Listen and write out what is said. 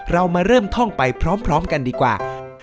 เรามาเริ่มท่องไปพร้อมกันดีกว่า